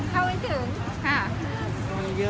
เขาไม่ถึง